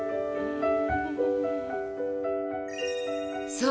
そう！